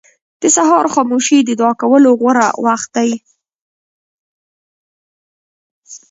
• د سهار خاموشي د دعا کولو غوره وخت دی.